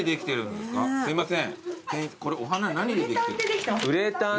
すいません。